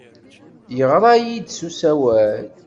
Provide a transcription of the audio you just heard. Yeɣra-iyi-d s usawal.